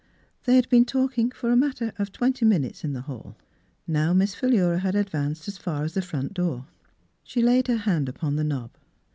They had been talking together for a matter of twenty minutes in the halL Now Miss Philura had advanced as far as the front door. She laid her hand upon the knob.